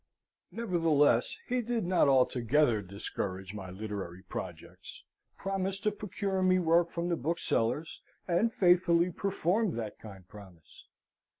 Nevertheless, he did not altogether discourage my literary projects, promised to procure me work from the booksellers, and faithfully performed that kind promise.